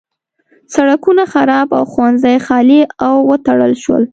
سړکونه خراب او ښوونځي خالي او وتړل شول.